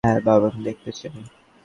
বাবাকে আমি দেখতে চাই।